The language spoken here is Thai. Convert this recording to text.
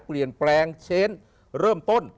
เปลี่ยนแปลงเช่นเริ่มต้น